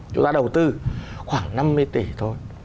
chúng ta đầu tư khoảng năm mươi tỷ thôi